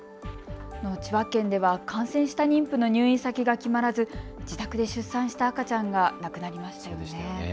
千葉県では感染した妊婦の入院先が決まらず自宅で出産した赤ちゃんが亡くなりましたよね。